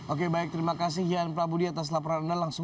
oke baik terima kasih ian prabudi atas laporan anda